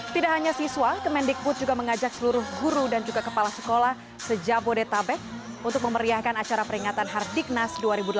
tidak hanya siswa kemendikbud juga mengajak seluruh guru dan juga kepala sekolah sejak bodetabek untuk memeriahkan acara peringatan hardiknas dua ribu delapan belas